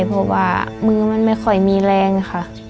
เพราะว่ามือมันไม่ค่อยมีแรงค่ะ